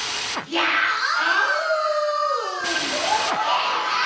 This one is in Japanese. ギャオン！